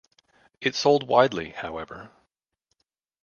It sold widely, however.